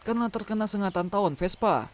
karena terkena sengatan tahun vespa